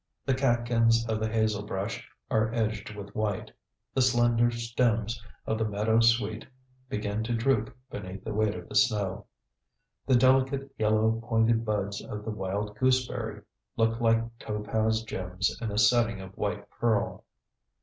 The catkins of the hazelbrush are edged with white. The slender stems of the meadow sweet begin to droop beneath the weight of the snow. The delicate yellow pointed buds of the wild gooseberry look like topaz gems in a setting of white pearl.